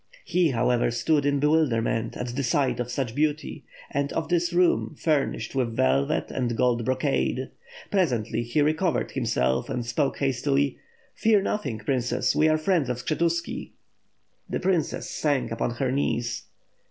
He, however, stood in bewilderment at the sight of such beauty, and of this room, furnished with velvet and gold bro cade. Presently, he recovered himself and spoke hastily: "Fear nothing, princess, we are friends of Skshetuski." The princess sank upon her knees.